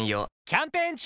キャンペーン中！